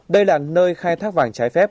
đây là nơi khai thác vàng trái phép